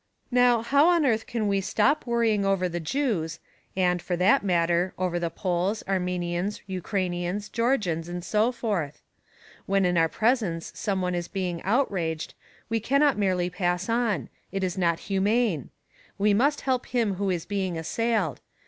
Now, how on earth can we stop worrying over the Jews, and, for that matter, over the Poles, Armenians, Ukrainians, Georgians, and so forth? When in our presence some one is being outraged, we cannot merely pass on; it is not humane. We must help him who is being assailed.